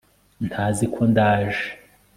ntazi ko ndaje